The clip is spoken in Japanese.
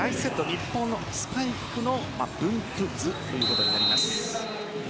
日本のスパイクの分布図ということになります。